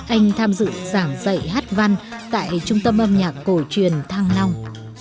anh tham dự giảng dạy hát văn tại trung tâm âm nhạc cổ truyền thang nong